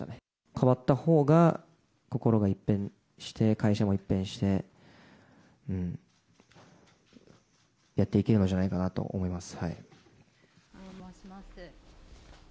変わったほうが心が一変して、会社も一変して、やっていけるのじゃないかなと思います。